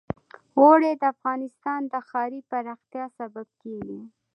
اوړي د افغانستان د ښاري پراختیا سبب کېږي.